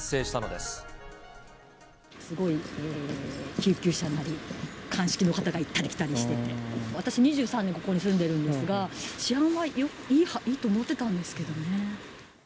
すごい救急車なり、鑑識の方が行ったり来たりしてて、私、２３年、ここに住んでるんですが、治安はいいと思ってたんですけどね。